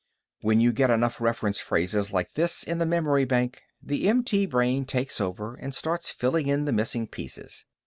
When you get enough reference phrases like this in the memory bank, the MT brain takes over and starts filling in the missing pieces.